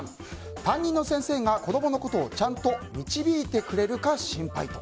担任の先生が子供のことをちゃんと導いてくれるか心配と。